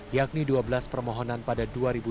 yakni dua belas permohonan pada dua ribu dua puluh